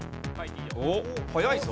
おっ早いぞ。